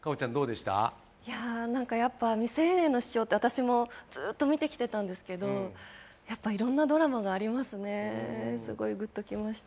やっぱ「未成年の主張」って私もずっと見てきたんですけどやっぱりいろんなドラマがありますね、すごいグッときました。